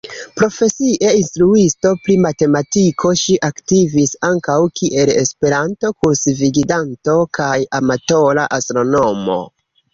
Profesie instruisto pri matematiko, ŝi aktivis ankaŭ kiel Esperanto-kursgvidanto kaj amatora astronomo.